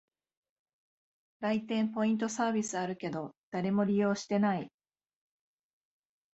来店ポイントサービスあるけど、誰も利用してない